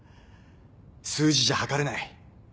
数字じゃはかれない。